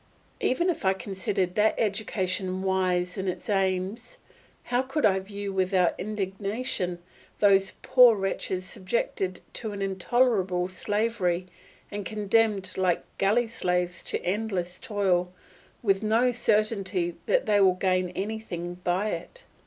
Even if I considered that education wise in its aims, how could I view without indignation those poor wretches subjected to an intolerable slavery and condemned like galley slaves to endless toil, with no certainty that they will gain anything by it?